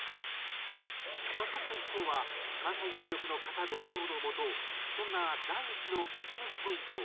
早速一行は関西電力の方同行のもとそんな第一の激ムズポイント